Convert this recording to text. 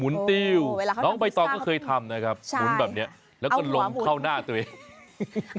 ติ้วน้องใบตองก็เคยทำนะครับหมุนแบบนี้แล้วก็ลงเข้าหน้าตัวเอง